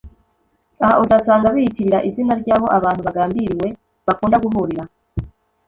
Aha uzasanga biyitirira izina ry’aho abantu bagambiriwe bakunda guhurira